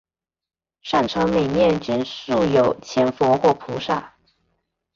上层每面均塑有千佛或菩萨。